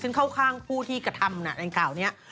ฉันเข้าข้างผู้ที่กระทำในกล่าวนี้